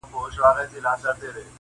ایبنه دي نه کړمه بنګړی دي نه کړم,